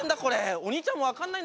おにいちゃんも分かんないんだ